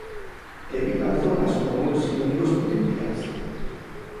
Evitan zonas con moitos inimigos potenciais.